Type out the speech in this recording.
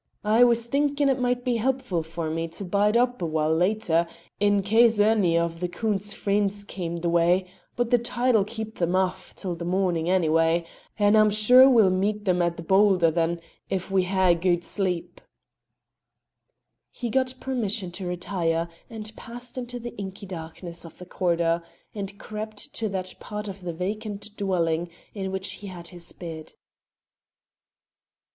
"I was thinkin' it might be needful for me to bide up a while later in case ony o' the Coont's freends cam' the way; but the tide'll keep them aff till mornin' anyway, and I'm sure we'll meet them a' the baulder then if we hae a guid sleep." He got permission to retire, and passed into the inky darkness of the corridor, and crept to that part of the vacant dwelling in which he had his bed.